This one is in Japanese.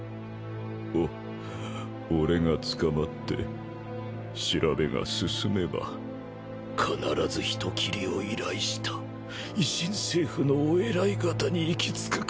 お俺が捕まって調べが進めば必ず人斬りを依頼した維新政府のお偉い方に行き着くからな。